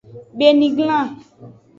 Beniglan.